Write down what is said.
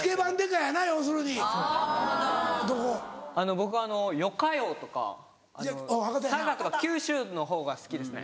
僕「よかよ」とか。佐賀とか九州のほうが好きですね。